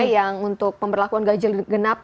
yang untuk pemberlakuan ganjil genap